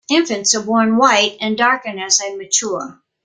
Infants are born white and darken as they mature.